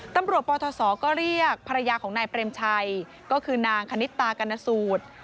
ปทศก็เรียกภรรยาของนายเปรมชัยก็คือนางคณิตตากรณสูตร